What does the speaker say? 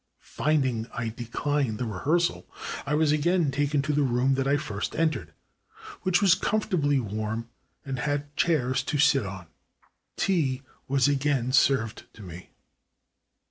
Finding I declined the rehearsal, I was again taken to the room that I first entered, which was comfortably warm and had chairs to sit on. Tea was again served to me.